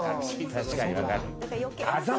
確かにわかる。